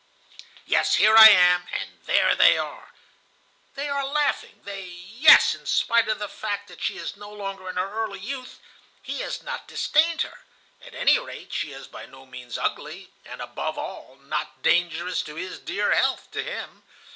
"Yes, here I am, and there they are. They are laughing, they. ... Yes, in spite of the fact that she is no longer in her early youth, he has not disdained her. At any rate, she is by no means ugly, and above all, not dangerous to his dear health, to him.